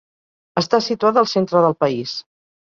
Està situada al centre del país.